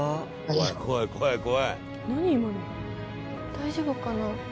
大丈夫かな。